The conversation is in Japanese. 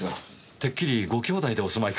てっきりご兄弟でお住まいかと。